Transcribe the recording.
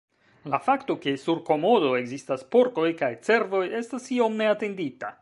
La fakto ke sur Komodo ekzistas porkoj kaj cervoj estas iom neatendita.